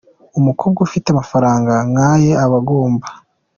Umukobwa ufite amafaranga nkaye aba agomba.